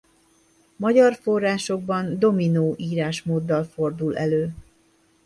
Magyar forrásokban Dominó írásmóddal fordul elő.